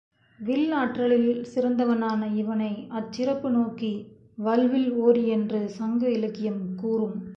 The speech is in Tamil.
வில்லாற்றலில் சிறந்தவனான இவனை, அச்சிறப்பு நோக்கி வல்வில் ஓரி என்று சங்க இலக்கியம் கூறும்.